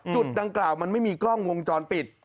จุดดังกล่าวมันไม่มีกล้องวงจรปิด